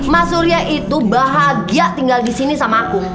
mas surya itu bahagia tinggal disini sama aku